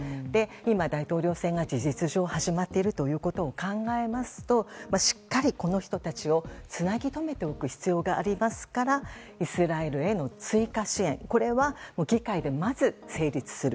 今、大統領選が事実上始まっているということを考えますとしっかりこの人たちをつなぎとめていく必要がありますからイスラエルへの追加支援は議会で、まず成立する。